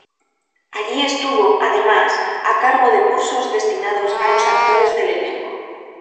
Allí estuvo, además, a cargo de cursos destinados a los actores del elenco.